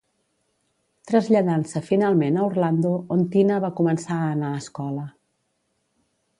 Traslladant-se finalment a Orlando, on Tina va començar a anar a escola.